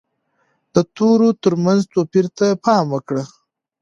د تورو ترمنځ توپیر ته پام وکړه.